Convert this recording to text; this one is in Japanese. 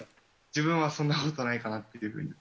自分はそんなことはないかなっていうふうに。